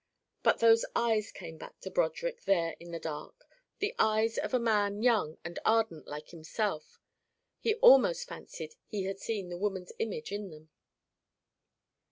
But those eyes came back to Broderick there in the dark the eyes of a man young and ardent like himself he almost fancied he had seen the woman's image in them.